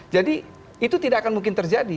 jadi itu tidak akan mungkin terjadi